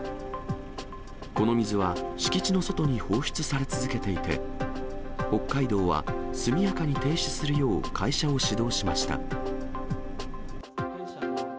この水は敷地の外に放出され続けていて、北海道は速やかに停止するよう会社を指導しました。